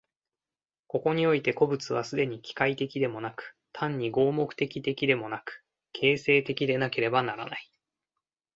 ここにおいて個物は既に機械的でもなく、単に合目的的でもなく、形成的でなければならない。